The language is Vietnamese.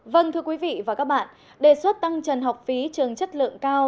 vâng thưa quý vị và các bạn đề xuất tăng trần học phí trường chất lượng cao